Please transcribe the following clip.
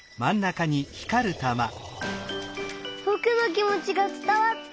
ぼくのきもちがつたわった！